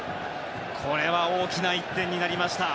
これは大きな１点になりました。